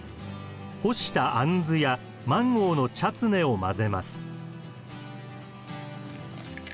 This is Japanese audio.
干したアンズやマンゴーのチャツネを混ぜます。